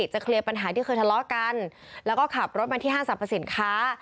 เคลียร์ปัญหาที่เคยทะเลาะกันแล้วก็ขับรถมาที่ห้างสรรพสินค้า